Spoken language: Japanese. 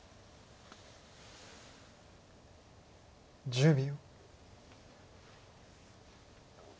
１０秒。